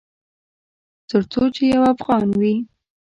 ترڅو چې یو افغان وي